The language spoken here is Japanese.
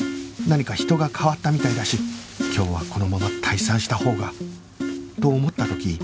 何か人が変わったみたいだし今日はこのまま退散したほうがと思った時